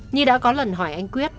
nhi đã có lần hỏi anh quyết